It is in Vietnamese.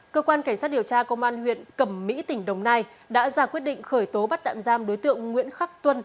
cơ quan cảnh sát điều tra công an huyện cầm mỹ tỉnh đồng nai đã ra quyết định khởi tố bắt tạm giam đối tượng nguyễn khắc tuân